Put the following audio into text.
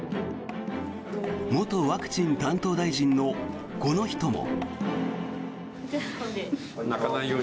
元ワクチン担当大臣のこの人も。